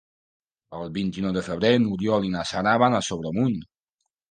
El vint-i-nou de febrer n'Oriol i na Sara van a Sobremunt.